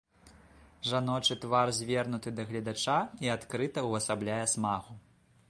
Жаночы твар звернуты да гледача і адкрыта ўвасабляе смагу.